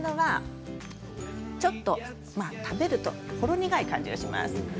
ちょっと食べるとほろ苦い感じがします。